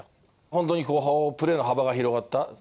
本当にプレーの幅が広がった。